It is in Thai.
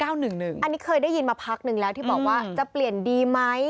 อันนี้เคยได้ยินมาพักนึงแล้วที่บอกว่าจะเปลี่ยนดีไหม